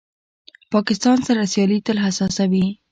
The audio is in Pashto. پاکستان سره سیالي تل حساسه وي.